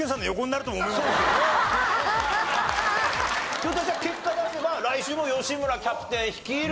ひょっとしたら結果出せば来週も吉村キャプテン率いる。